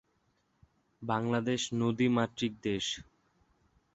তারা বাবা David Willis একজন আমেরিকান সৈনিক ছিলেন।